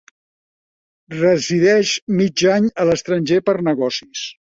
Resideix mig any a l'estranger, per negocis.